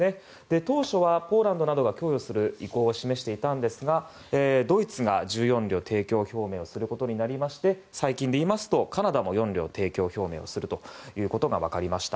当初はポーランドなどが供与する意向を示していたんですがドイツが１４両提供表明しまして最近で言いますとカナダも４両提供表明することが分かりました。